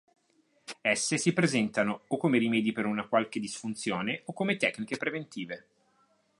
Esse si presentano o come rimedi per una qualche disfunzione o come tecniche preventive.